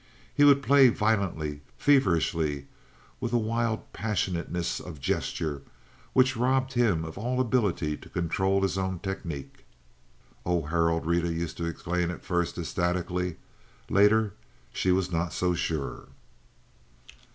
He would play violently, feverishly, with a wild passionateness of gesture which robbed him of all ability to control his own technic. "Oh, Harold!" Rita used to exclaim at first, ecstatically. Later she was not so sure.